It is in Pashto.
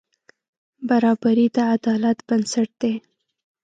برابري د عدالت بنسټ دی.